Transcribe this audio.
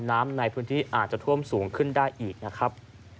น้ำในพื้นที่อาจจะท่วมสูงขึ้นได้อีกนะครับ